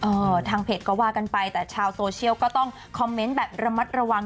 ทางเพจก็ว่ากันไปแต่ชาวโซเชียลก็ต้องคอมเมนต์แบบระมัดระวัง